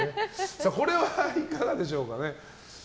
これはいかがでしょうかね。